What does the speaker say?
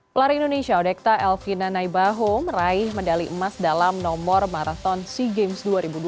pelari indonesia odekta elvina naibaho meraih medali emas dalam nomor marathon sea games dua ribu dua puluh